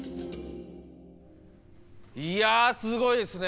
いやすごいですね。